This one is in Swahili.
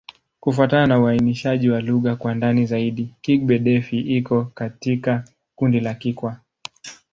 Kufuatana na uainishaji wa lugha kwa ndani zaidi, Kigbe-Defi iko katika kundi la Kikwa.